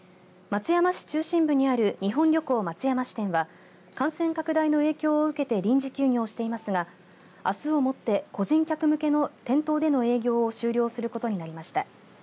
松山市中心部にある日本旅行松山支店は感染拡大の影響を受けて臨時休業していますがあすを持って個人客向けの店頭での営業を終了することになりました。